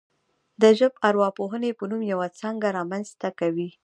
د ژبارواپوهنې په نوم یوه څانګه رامنځته کوي